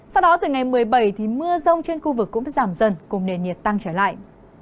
sau đó từ ngày một mươi bảy thì mưa rông trên khu vực cũng giảm dần cùng nền nhiệt tăng trở lại